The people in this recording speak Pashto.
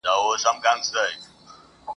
درڅخه ځمه خوږو دوستانو !.